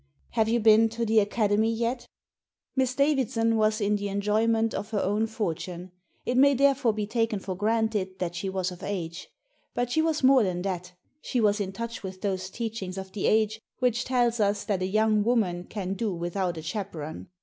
" Have you been to the Academy yet?" Miss Davidson was in the enjoyment of her own fortune. It may therefore be taken for granted that she was of age. But she was more than that ; she was in touch with those teachings of the age which tells us that a young woman can do without a chaperon.